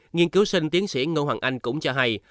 nghiên cứu sinh tiến sĩ ngô hoàng anh cũng cho hay